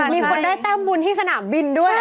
มีคนได้แต้มบุญที่สนามบินด้วย